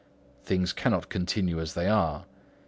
Things cannot continue as they are.